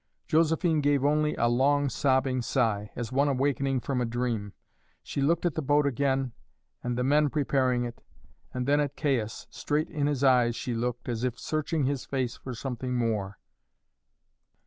Josephine gave only a long sobbing sigh, as one awakening from a dream. She looked at the boat again, and the men preparing it, and then at Caius straight in his eyes she looked, as if searching his face for something more.